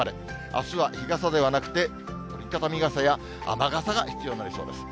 あすは日傘ではなくて、折り畳み傘や雨傘が必要になりそうです。